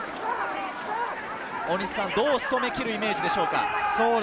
どう仕留めきるイメージでしょうか？